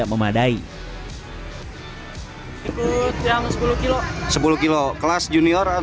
pemerintah seharusnya lebih aktif lagi dalam memberikan support terhadap peminat maupun atletnya